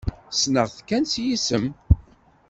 Ssneɣ-t kan s yisem.